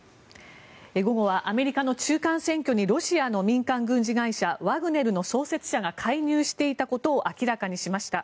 午後はアメリカの中間選挙にロシアの民間軍事会社ワグネルの創設者が介入していたことを明らかにしました。